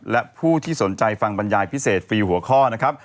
และผู้ที่สนใจฟังบรรยายพิเศษฟรีหัวข้อนะครับ